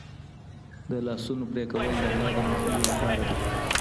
د لاسونو پرې کول د غلا د مخنيوي لپاره دي.